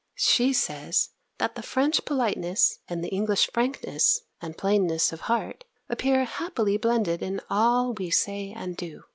She says, that the French politeness, and the English frankness and plainness of heart, appear happily blended in all we say and do.